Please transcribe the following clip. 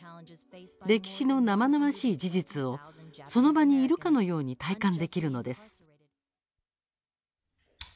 歴史の生々しい事実をその場にいるかのように体感できるのです。